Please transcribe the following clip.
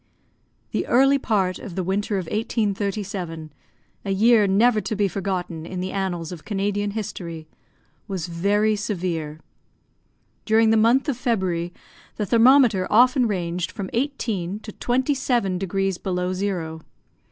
The early part of the winter of 1837, a year never to be forgotten in the annals of Canadian history, was very severe. During the month of February, the thermometer often ranged from eighteen to twenty seven degrees below zero.